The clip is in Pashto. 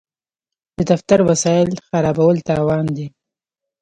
د دفتر وسایل خرابول تاوان دی.